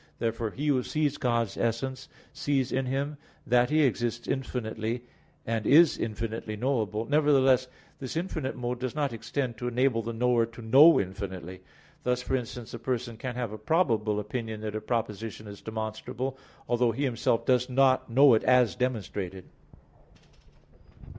Therefore he who sees God's essence, sees in Him that He exists infinitely, and is infinitely knowable; nevertheless, this infinite mode does not extend to enable the knower to know infinitely; thus, for instance, a person can have a probable opinion that a proposition is demonstrable, although he himself does not know it as demonstrated.